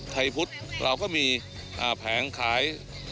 ไทยพุทธเราก็มีแผงขาย